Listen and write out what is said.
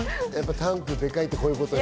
タンクでかいってこういうことよ。